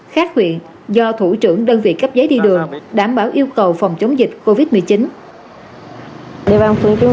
khác huyện do thủ trưởng đơn vị cấp giấy đi đường